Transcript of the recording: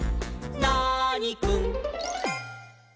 ナーニくん」